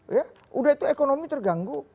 udah itu ekonomi terganggu